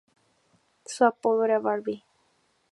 Su apodo era "Barbie".